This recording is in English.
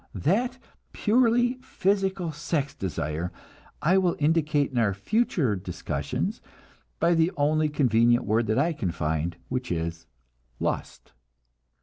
That purely physical sex desire I will indicate in our future discussions by the only convenient word that I can find, which is lust.